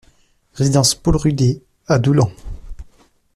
Résidence Paul Rudet à Doullens